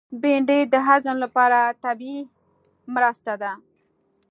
بېنډۍ د هضم لپاره طبیعي مرسته ده